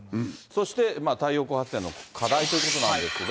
そして太陽光発電の課題ということなんですが。